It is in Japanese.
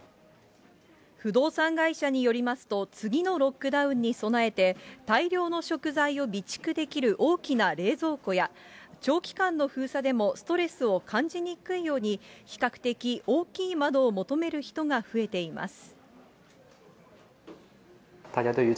不動産会社によりますと、次のロックダウンに備えて、大量の食材を備蓄できる大きな冷蔵庫や、長期間の封鎖でもストレスを感じにくいように、比較的大きい窓を求める人が増えています。